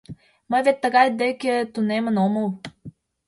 Мый вет тыгай деке тунемын омыл.